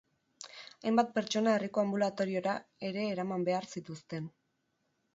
Hainbat pertsona herriko anbulatoriora ere eraman behar zituzten.